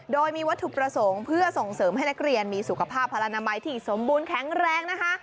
โดยมีวัตถุประสงค์เพื่อส่งเสริมให้นักเรียนมีสุขภาพพลนามัยที่สมบูรณแข็งแรงนะคะ